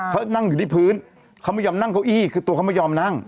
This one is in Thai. เขานั่งอยู่ที่พื้นเขาไม่ยอมนั่งเก้าอี้คือตัวเขาไม่ยอมนั่ง